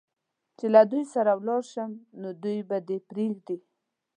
چې له دوی سره ولاړ شم، نو دوی به دې پرېږدي؟